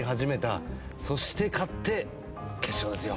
そして勝って決勝ですよ。